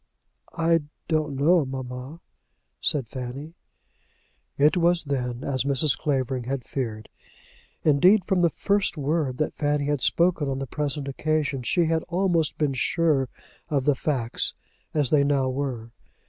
"I don't know, mamma," said Fanny. It was then as Mrs. Clavering had feared. Indeed from the first word that Fanny had spoken on the present occasion, she had almost been sure of the facts, as they now were.